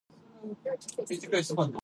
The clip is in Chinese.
这仅是清政府规定的最低数字。